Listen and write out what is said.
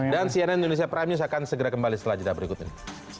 dan cnn indonesia prime news akan segera kembali setelah jeda berikut ini